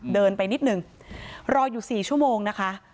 เดินไปนิดนึงรออยู่๔ชั่วโมงนะคะ